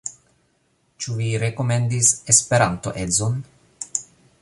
Ĉu vi rekomendis Esperanto-edzon?